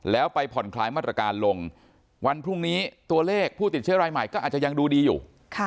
แล้วไปผ่อนคลายมาตรการลงวันพรุ่งนี้ตัวเลขผู้ติดเชื้อรายใหม่ก็อาจจะยังดูดีอยู่